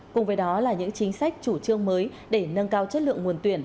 cùng với đó là những chính sách chủ trương mới để nâng cao chất lượng nguồn tuyển